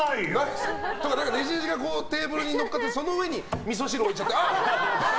でもねじねじがテーブルに乗っかってその上にみそ汁置いちゃって、ああ！